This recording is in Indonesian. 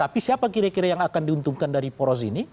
tapi siapa kira kira yang akan diuntungkan dari poros ini